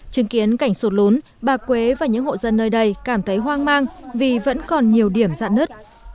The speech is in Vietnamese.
chứng kiến cảnh sụt lún bà quế và những hộ dân nơi đây cảm thấy hoang mang vì vẫn còn nhiều điểm dạn nứt